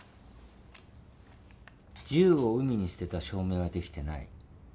銃を海に捨てた証明はできてない。